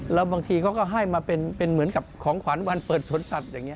แล้วบางทีเขาก็ให้มาเป็นเหมือนกับของขวัญวันเปิดสวนสัตว์อย่างนี้